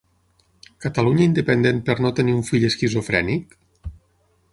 Catalunya independent per no tenir un fill esquizofrènic?